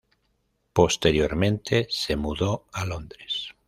Posteriormente, se mudó a Londres.